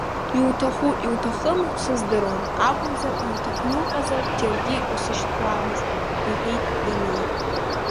Иуҭаху иуҭахыму сыздыруам акәымзар, иуҭахны уҟазар џьаргьы усышьҭуамызт, — иҳәеит Дамеи.